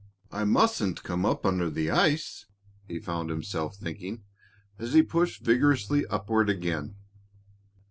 "I mustn't come up under the ice," he found himself thinking, as he pushed vigorously upward again.